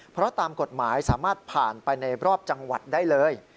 เพราะตามกฎหมายสามารถผ่านไปในรอบจังหวัดได้เลย